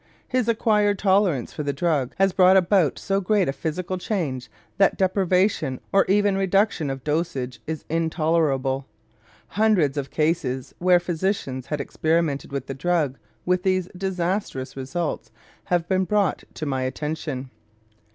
His acquired tolerance for the drug has brought about so great a physical change that deprivation or even reduction of dosage is intolerable. Hundreds of cases where physicians had experimented with the drug with these disastrous results have been brought to my attention.